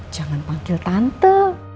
jangan panggil tante